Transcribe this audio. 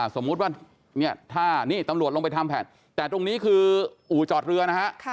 สมมุติว่าเนี่ยถ้านี่ตำรวจลงไปทำแผนแต่ตรงนี้คืออู่จอดเรือนะฮะ